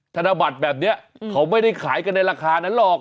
ธนบัตรแบบนี้เขาไม่ได้ขายกันในราคานั้นหรอก